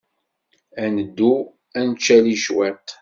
Ad neddu ad ncali cwiṭ?